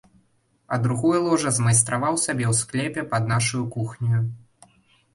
А другое ложа змайстраваў сабе ў склепе пад нашаю кухняю.